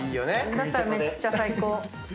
だったらめっちゃ最高。